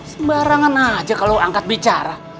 sembarangan aja kalau angkat bicara